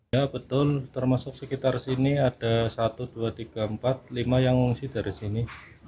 ya betul termasuk sekitar sini ada satu dua tiga empat lima yang mengungsi dari sini